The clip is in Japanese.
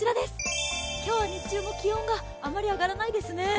今日は、日中も気温があまり上がらないですね。